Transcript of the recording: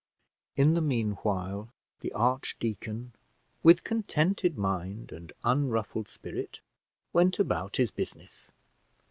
In the meanwhile, the archdeacon, with contented mind and unruffled spirit, went about his business.